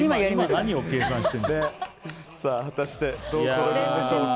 果たしてどうなるんでしょうか。